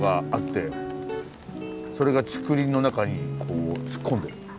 それが竹林の中に突っ込んでる。